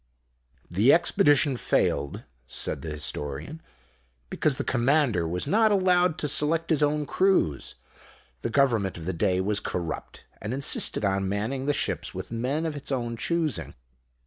"The Expedition failed," said the Historian, "because the commander was not allowed to select his own crews. The Government of the day was corrupt, and insisted on manning the ships with men of its own choosing.